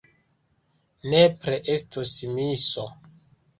Nepre estos miso.